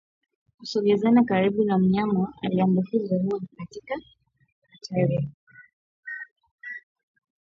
kusogeana karibu na mnyama aliyeambukizwa huwa katika hatari kuu ya kuupata ugonjwa huu